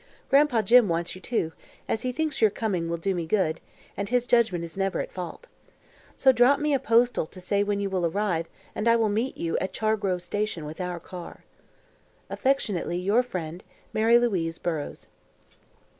Gran'pa Jim wants you, too, as he thinks your coming will do me good, and his judgment is never at fault. So drop me a postal to say when you will arrive and I will meet you at Chargrove Station with our car. Affectionately your friend, Mary Louise Burrows.